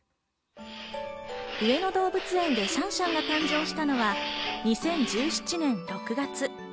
上野動物園でシャンシャンが誕生したのは２０１７年６月。